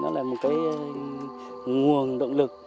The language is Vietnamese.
nó là một cái nguồn động lực